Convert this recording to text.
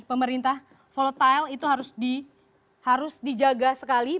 pemerintah volatile itu harus dijaga sekali